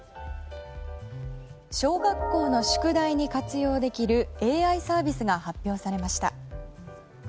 小学校の宿題に活用できるＡＩサービスが発表されました。